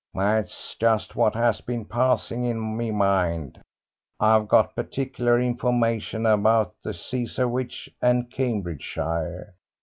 "That's just what has been passing in my mind. I've got particular information about the Cesarewitch and Cambridgeshire.